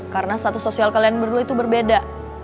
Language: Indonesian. karena status sosial kalian berdua itu berbeda